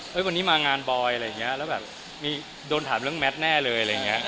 วันนี้มางานบอยอะไรอย่างนี้แล้วแบบมีโดนถามเรื่องแมทแน่เลยอะไรอย่างนี้